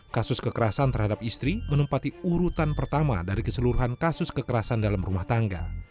kasus kekerasan terhadap istri menempati urutan pertama dari keseluruhan kasus kekerasan dalam rumah tangga